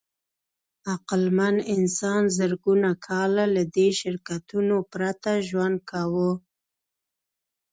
عقلمن انسان زرګونه کاله له دې شرکتونو پرته ژوند کاوه.